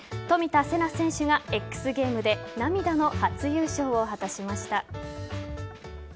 冨田せな選手がＸゲームで涙の初優勝を果たしました。